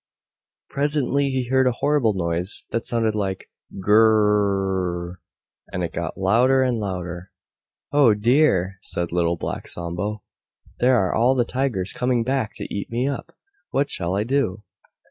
Presently he heard a horrible noise that sounded like "Gr r r r rrrrrr," and it got louder and louder. "Oh! dear!" said Little Black Sambo, "there are all the Tigers coming back to eat me up! What shall I do?"